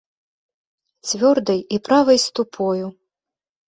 Цвёрдай і правай ступою!